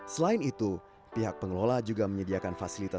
selain itu pihak pengelola juga menyediakan fasilitas